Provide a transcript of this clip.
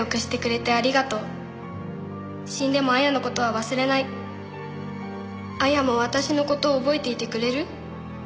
「死んでも亜矢のことは忘れない」「亜矢も私のことを覚えていてくれる」